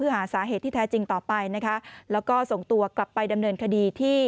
หาสาเหตุที่แท้จริงต่อไปนะคะแล้วก็ส่งตัวกลับไปดำเนินคดีที่